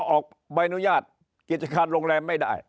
ออกใบอนุญาตกิจการโรงแรมไม่ได้